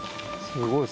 すごい！